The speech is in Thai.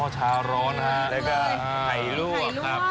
ชาร้อนแล้วก็ไข่ลวกครับ